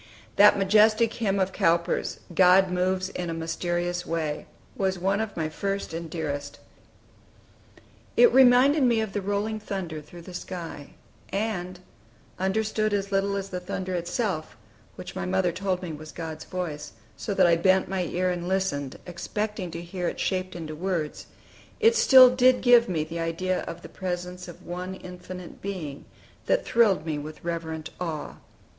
That majestic hymn of Cowper's, "God moves in a mysterious way," was one of my first and dearest. It reminded me of the rolling of thunder through the sky; and, understood as little as the thunder itself, which my mother told me was God's voice, so that I bent my ear and listened, expecting to hear it shaped into words, it still did give me an idea of the presence of One Infinite Being, that thrilled me with reverent awe.